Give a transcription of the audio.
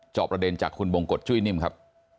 อบประเด็นจากคุณบงกฎจุ้ยนิ่มครับ